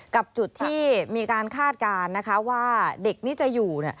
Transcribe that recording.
กับจุดที่มีการคาดการณ์นะคะว่าเด็กนี้จะอยู่